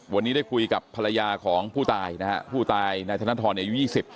วันนี้ได้คุยกับภรรยาของผู้ตายนะฮะผู้ตายนายธนทรอายุยี่สิบ